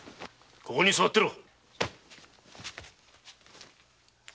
ここに座っていろ！